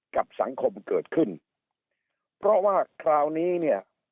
กับสังคมเกิดขึ้นเพราะว่าคราวนี้เนี่ย